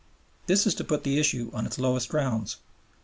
This is to put the issue on its lowest grounds.